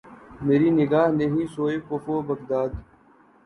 مری نگاہ نہیں سوئے کوفہ و بغداد